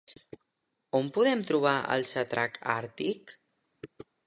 On podem trobar el Xatrac Àrtic?